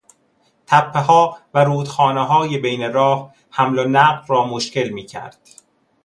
تپهها و رودخانههای بین راه، حمل و نقل را مشکل میکرد.